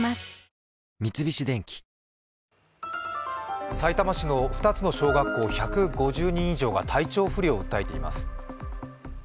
三菱電機さいたま市の２つの小学校１５０人以上が体調不良を訴えています。